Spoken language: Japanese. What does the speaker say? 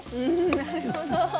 なるほど。